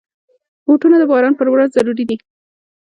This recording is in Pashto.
بوټونه د باران پر ورځ ضروري دي.